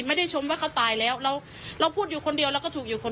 แม่ก็เลยบอกให้มามอบตัวตายแต่ว่าส่วนหนึ่งก็เพราะลูกชาย